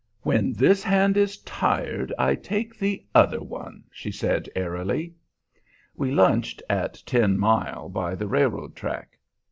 "When this hand is tired I take the other one," she said airily. We lunched at Ten Mile, by the railroad track.